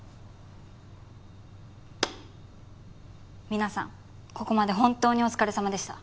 皆さんここまで本当にお疲れさまでした。